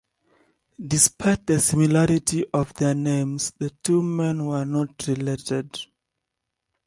Despite the similarity of their names, the two men were not related.